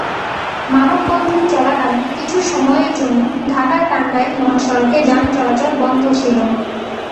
মানববন্ধন চলাকালে কিছু সময়ের জন্য ঢাকা-টাঙ্গাইল মহাসড়কে যান চলাচল বন্ধ ছিল।